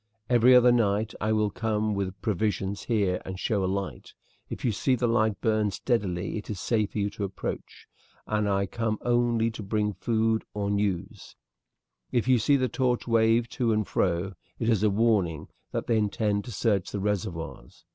Every other night I will come with provisions here and show a light. If you see the light burn steadily it is safe for you to approach, and I come only to bring food or news; if you see the torch wave to and fro, it is a warning that they intend to search the reservoirs.